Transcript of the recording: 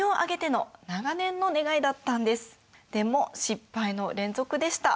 でも失敗の連続でした。